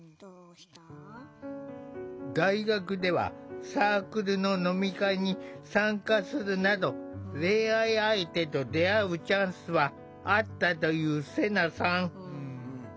大学では、サークルの飲み会に参加するなど恋愛相手と出会うチャンスはあったというセナさん。